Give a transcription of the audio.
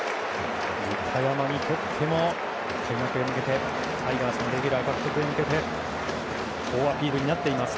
板山にとっても、開幕に向けてタイガースのレギュラー獲得に向けて好アピールになっています。